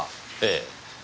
ええ。